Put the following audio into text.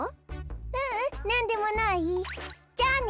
ううんなんでもないじゃあね。